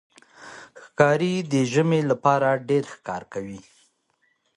ښکاري د ژمي لپاره ډېر ښکار کوي.